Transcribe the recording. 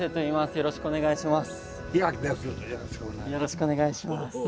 よろしくお願いします。